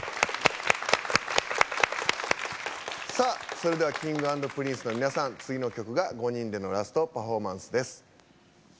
それではＫｉｎｇ＆Ｐｒｉｎｃｅの皆さん次の曲が５人でのラストパフォーマンスです。